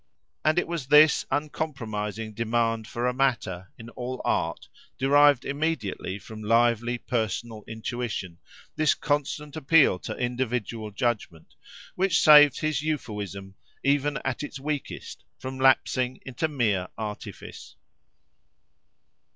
And it was this uncompromising demand for a matter, in all art, derived immediately from lively personal intuition, this constant appeal to individual judgment, which saved his euphuism, even at its weakest, from lapsing into mere artifice.